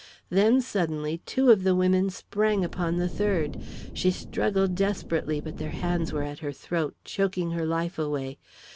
Then suddenly, two of the women sprang upon the third. She struggled desperately, but their hands were at her throat, choking her life away.